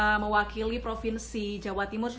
yang mewakili provinsi jawa timur